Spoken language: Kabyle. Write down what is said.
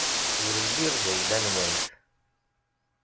Ur lliɣ d ayla-nwent.